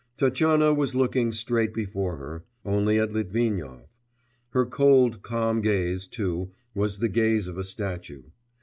Tatyana was looking straight before her, only at Litvinov; her cold, calm gaze, too, was the gaze of a statue.